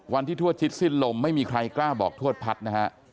ทวดชิดสิ้นลมไม่มีใครกล้าบอกทวดพัฒน์นะฮะ